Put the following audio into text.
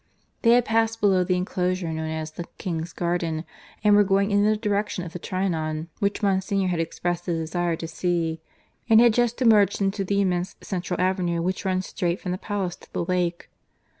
They had passed below the enclosure known as the "King's Garden," and were going in the direction of the Trianon, which Monsignor had expressed a desire to see, and had just emerged into the immense central avenue which runs straight from the palace to the lake.